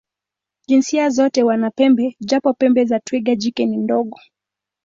Jinsia zote wana pembe, japo pembe za twiga jike ni ndogo.